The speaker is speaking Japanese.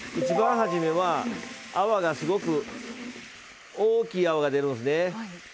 初めは泡がすごく大きい泡が出るんですね。